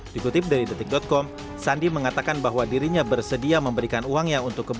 dikutip dari detik com sandi mengatakan bahwa dirinya bersedia memberikan uangnya untuk kembali